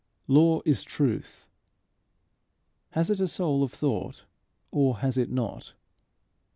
Law is truth: has it a soul of thought, or has it not?